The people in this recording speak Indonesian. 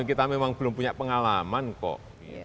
kita memang belum punya pengalaman kok